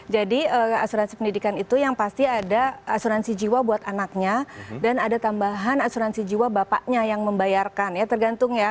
jadi asuransi pendidikan itu yang pasti ada asuransi jiwa buat anaknya dan ada tambahan asuransi jiwa bapaknya yang membayarkan ya tergantung ya